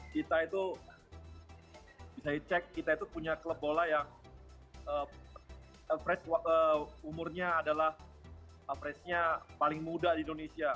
kita itu bisa dicek kita itu punya klub bola yang fresh umurnya adalah freshnya paling muda di indonesia